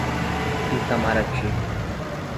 Itamarati